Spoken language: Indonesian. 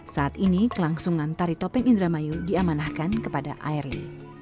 saat ini kelangsungan tari topeng indramayu diamanahkan kepada airline